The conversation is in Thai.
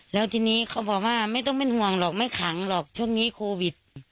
แล้วทีนี้เขาบอกว่าไม่ต้องเป็นห่วงหรอกไม่ขังหรอกช่วงนี้โควิด